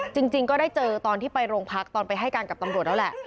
จริงก็ได้เจอตอนที่ไปโรงพักตอนไปให้การกับตำรวจแล้วแหละ